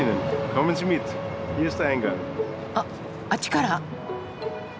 あっあっちから。